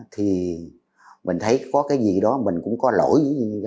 thì mình thấy có cái gì đó mình cũng có lỗi